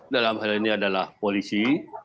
dalam hal ini adalah polisi